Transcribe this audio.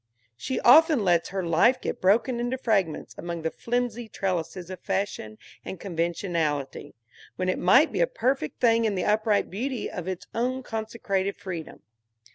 She often lets her life get broken into fragments among the flimsy trellises of fashion and conventionality, when it might be a perfect thing in the upright beauty of its own consecrated freedom.